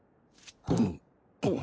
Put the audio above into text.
うん？